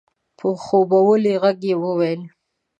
په خوبولي غږ يې وويل؛